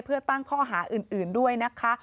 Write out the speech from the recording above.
เพื่อตั้งข้อหาอื่นด้วยนะคะ